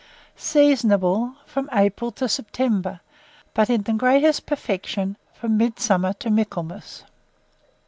Seasonable from April to September, but in the greatest perfection from midsummer to Michaelmas.